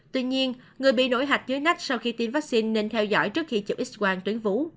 tuy nhiên người bị nổi hạch dưới nách sau khi tiêm vaccine nên theo dõi trước khi chụp x quang tuyến vú